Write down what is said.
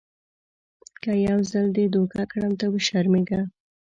که یو ځل دې دوکه کړم ته وشرمېږه .